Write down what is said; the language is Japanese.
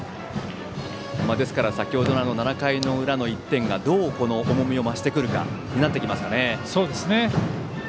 ですから先程、７回の裏の１点がどう重みを増してくるかにそうですね。